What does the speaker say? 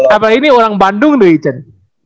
apalagi ini orang bandung tuh vincent